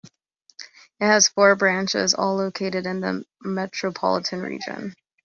It has four branches, all located in the Metropolitan Region.